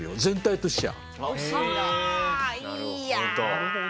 なるほど。